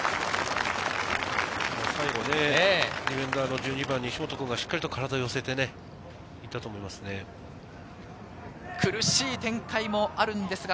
最後、ディフェンダーの１２番・西本君がしっかり体を寄せてね、いたと思いますね。